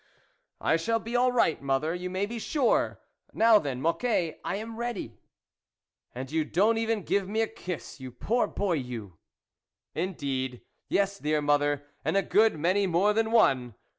" I shall be all right, mother, you may be sure ! Now then, Mocquet, I am ready." "And you don't even give me a kiss, you poor boy, you !"" Indeed, yes, dear mother, and a good many more than one